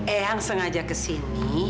eang sengaja kesini